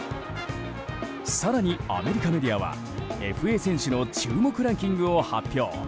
更にアメリカメディアはＦＡ選手の注目ランキングを発表。